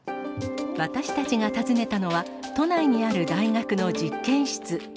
私たちが訪ねたのは、都内にある大学の実験室。